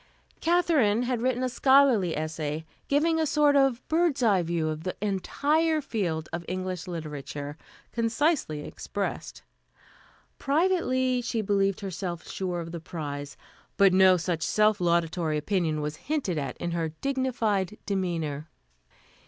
Katherine had written a scholarly essay, giving a sort of bird's eye view of the entire field of English literature, concisely expressed. Privately, she believed herself sure of the prize, but no such self laudatory opinion was hinted at in her dignified demeanor.